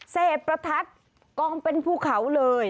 เศษประทัดกองเป็นภูเขาเลย